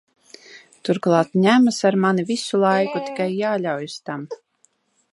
Turklāt ņemas ar mani visu laiku, tikai jāļaujas tam.